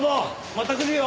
また来るよ。